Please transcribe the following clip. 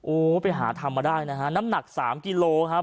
โอ้โหไปหาทำมาได้นะฮะน้ำหนัก๓กิโลครับ